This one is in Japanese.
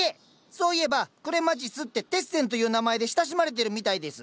そういえばクレマチスって「テッセン」という名前で親しまれてるみたいです。